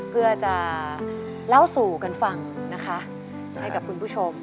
เพื่อจะเล่าสู่กันฟังนะคะให้กับคุณผู้ชม